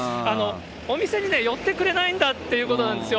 お店に寄ってくれないんだということなんですよ。